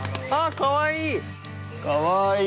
かわいい。